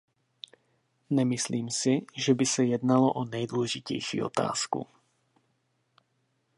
Nemyslím si, že by se jednalo o nejdůležitější otázku.